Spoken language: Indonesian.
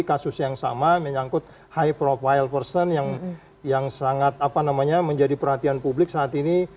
kasus yang sama menyangkut high profile person yang sangat menjadi perhatian publik saat ini